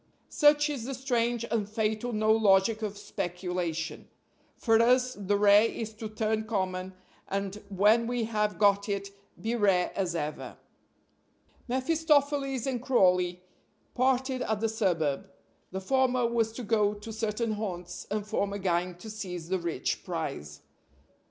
Such is the strange and fatal no logic of speculation. For us the rare is to turn common, and, when we have got it, be rare as ever. mephistopheles and Crawley parted at the suburb; the former was to go to certain haunts and form a gang to seize the rich prize.